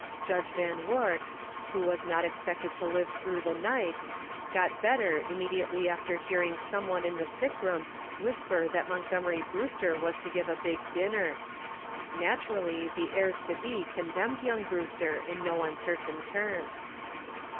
Judge Van Woort, who was not expected to live through the night, got better immediately after hearing some one in the sick room whisper that Montgomery Brewster was to give a big dinner. Naturally, the heirs to be condemned young Brewster in no uncertain terms.